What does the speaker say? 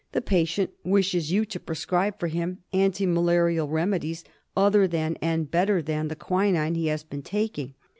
The patient wishes you to prescribe for him anti malarial remedies other than and better than the quinine he has been taking.